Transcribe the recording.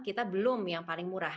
kita belum yang paling murah